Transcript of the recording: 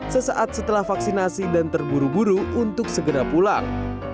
sesaat setelah vaksinasi dan terburu buru untuk segera pulang